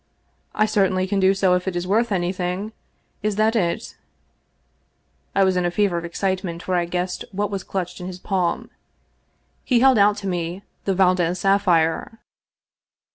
" I certainly can do so if it is worth anything. Is that it ?" I was in a fever of excitement, for I guessed what was clutched in his palm. He held out to me the Valdez sapphire.